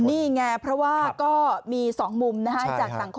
นี่ไงเพราะว่าก็มีสองมุมนะฮะ